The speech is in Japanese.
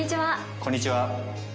こんにちは。